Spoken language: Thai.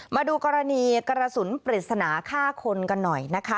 มาดูกรณีกระสุนปริศนาฆ่าคนกันหน่อยนะคะ